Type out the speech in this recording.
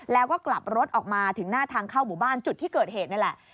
แล้วก็กลับรถออกมาถึงหน้าทางเข้าหมู่บ้านจุดที่เกิดเหตุนี่แหละ